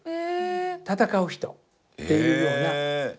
戦う人っていうような表情。